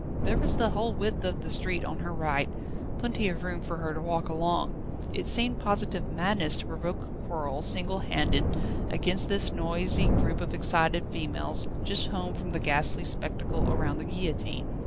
There was the whole width of the street on her right, plenty of room for her to walk along. It seemed positive madness to provoke a quarrel singlehanded against this noisy group of excited females, just home from the ghastly spectacle around the guillotine.